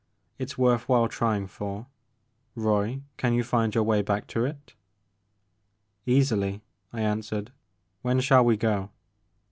It 's worth while trying for ; Roy, can you find your way back to it ?"" Easily, " I answered ;" when shall we go